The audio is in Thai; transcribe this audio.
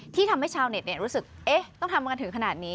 ที่ทำให้ชาวเน็ตรู้สึกต้องทำกันถึงขนาดนี้